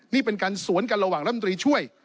นี่เป็นการสวนกันระหว่างรัฐมนตรีช่วย